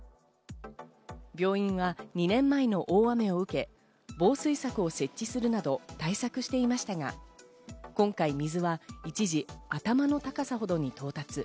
病院は２年前の大雨を受け、防水柵を設置するなど対策していましたが、今回、水は一時、頭の高さほどに到達。